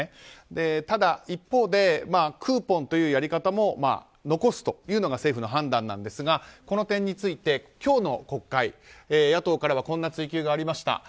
ただ、一方でクーポンというやり方も残すというのが政府の判断なんですがこの点について今日の国会野党からはこんな追及がありました。